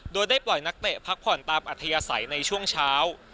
โดยได้ปล่อยนักเตะพักผ่อนตามอัธยาศัยในช่วงเช้า